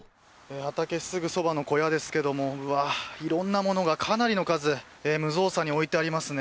畑すぐそばの小屋ですが色んなものがかなりの数無造作に置いてありますね。